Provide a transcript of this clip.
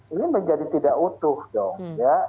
ini menjadi tidak utuh dong ya